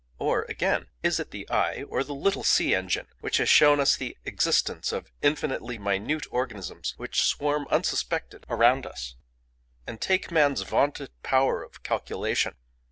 Or, again, is it the eye, or the little see engine, which has shown us the existence of infinitely minute organisms which swarm unsuspected around us? "And take man's vaunted power of calculation.